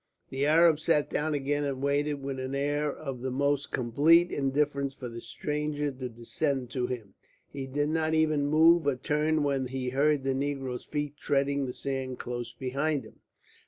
The Arab sat down again and waited with an air of the most complete indifference for the stranger to descend to him. He did not even move or turn when he heard the negro's feet treading the sand close behind him.